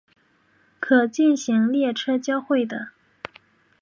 可进行列车交会的。